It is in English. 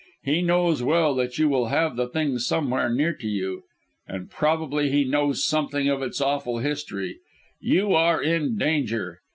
He knows well that you will have the thing somewhere near to you, and probably he knows something of its awful history! You are in danger!